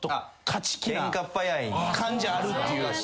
感じあるっていう。